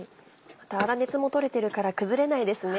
また粗熱も取れてるから崩れないですね。